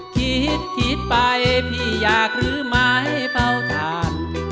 คิดคิดไปพี่อยากรื้อไม้เป่าทาน